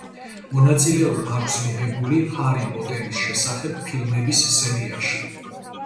მონაწილეობა აქვს მიღებული ჰარი პოტერის შესახებ ფილმების სერიაში.